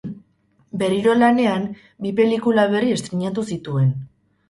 Berriro lanean, bi pelikula berri estreinatu zituen.